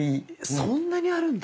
そんなにあるんだ！